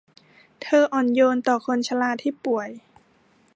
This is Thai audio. เธออ่อนโยนต่อคนชราที่ป่วย